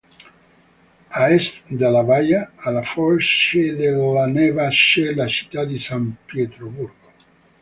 A est della baia, alla foce della Neva c'è la città di San Pietroburgo.